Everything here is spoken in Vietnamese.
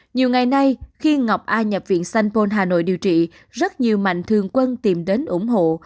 nhiều ngày nay khi ngọc a nhập viện sanh pôn hà nội điều trị rất nhiều mạnh thường quân tìm đến ủng hộ